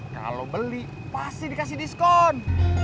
kalau beli pasti dikasih diskon